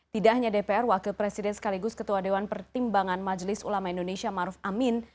tidak hanya dpr wakil presiden sekaligus ketua dewan pertimbangan majelis ulama indonesia maruf amin